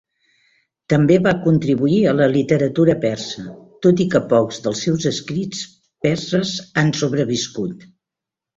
També va contribuir a la literatura persa, tot i que pocs dels seus escrits perses han sobreviscut.